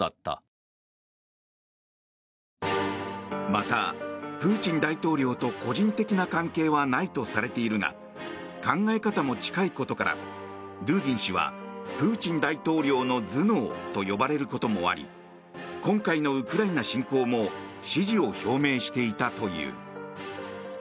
また、プーチン大統領と個人的な関係はないとされているが考え方も近いことからドゥーギン氏はプーチン大統領の頭脳と呼ばれることもあり今回のウクライナ侵攻も支持を表明していたという。